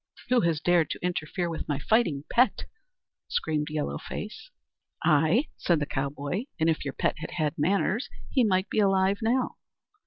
"Who has dared to interfere with my fighting pet?" screamed Yellow Face. "I," said the cowboy; "and if your pet had had manners, he might be alive now."